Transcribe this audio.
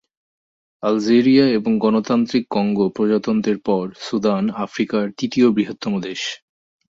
Algeria এবং গণতান্ত্রিক Congo প্রজাতন্ত্রের পর সুদান আফ্রিকার তৃতীয় বৃহত্তম দেশ।